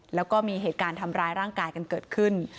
แล้วก็มีเหตุการณ์ทำร้ายร่างกายกันเกิดขึ้น